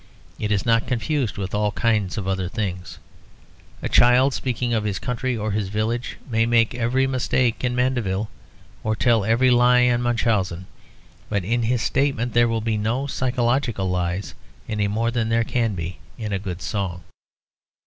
It is not confused with all kinds of other things. A child speaking of his country or his village may make every mistake in Mandeville or tell every lie in Munchausen, but in his statement there will be no psychological lies any more than there can be in a good song.